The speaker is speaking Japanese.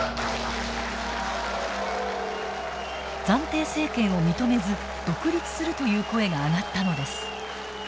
暫定政権を認めず独立するという声が上がったのです。